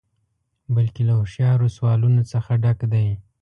بلکې له هوښیارو سوالونو څخه ډک دی.